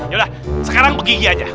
ya udah sekarang begigi aja